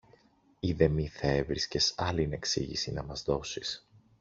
ειδεμή θα έβρισκες άλλην εξήγηση να μας δώσεις.